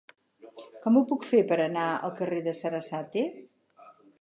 Com ho puc fer per anar al carrer de Sarasate?